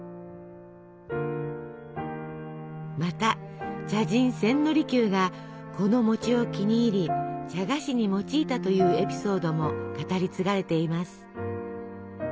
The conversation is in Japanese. また茶人千利休がこの餅を気に入り茶菓子に用いたというエピソードも語り継がれています。